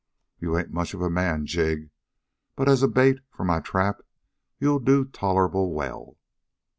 "You ain't much of a man, Jig, but as a bait for my trap you'll do tolerable well.